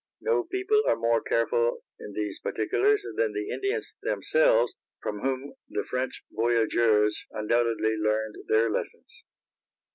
No people are more careful in these particulars than the Indians themselves, from whom the French voyageurs undoubtedly learned their lessons.